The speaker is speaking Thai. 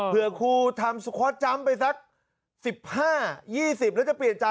อ๋อเผื่อครูทำไปสักสิบห้ายี่สิบแล้วจะเปลี่ยน